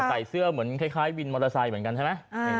ใส่เสื้อเหมือนคล้ายวินมอเตอร์ไซค์เหมือนกันใช่ไหม